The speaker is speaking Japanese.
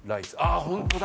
ああホントだ。